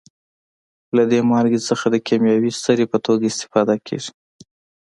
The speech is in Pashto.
له دې مالګې څخه د کیمیاوي سرې په توګه استفاده کیږي.